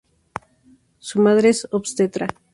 Su madre es obstetra.